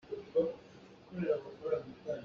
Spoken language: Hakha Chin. Kuakzuk hmang hi a ṭha lo.